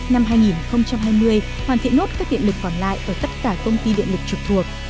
năm hai nghìn hai mươi hoàn thiện nốt các điện lực còn lại ở tất cả công ty điện lực trực thuộc